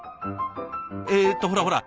えっとほらほら